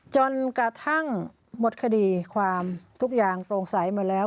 จนกระทั่งหมดคดีความทุกอย่างโปร่งใสหมดแล้ว